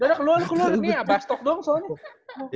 udah udah keluar keluar nih abas talk doang soalnya